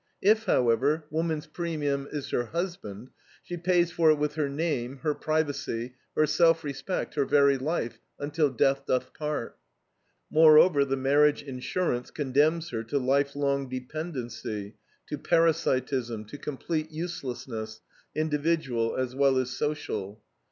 If, however, woman's premium is her husband, she pays for it with her name, her privacy, her self respect, her very life, "until death doth part." Moreover, the marriage insurance condemns her to life long dependency, to parasitism, to complete uselessness, individual as well as social.